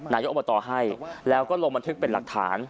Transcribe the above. นายกอบตให้แล้วก็ลงบันทึกเป็นหลักฐาน